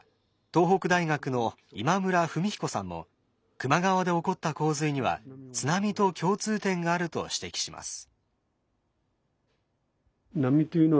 東北大学の今村文彦さんも球磨川で起こった洪水には津波と共通点があると指摘します。